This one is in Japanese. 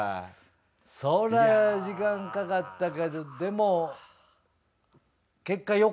そりゃ時間かかったけどでも。